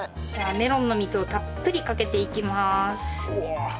メロンの蜜をたっぷりかけていきます。